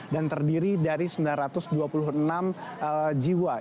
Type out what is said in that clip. dan terdiri dari sembilan ratus dua puluh enam jiwa